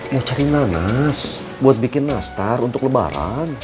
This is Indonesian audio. mau cari nanas buat bikin nastar untuk lebaran